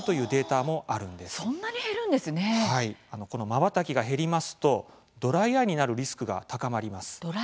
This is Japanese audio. まばたきが減りますとドライアイになるリスクが高まります。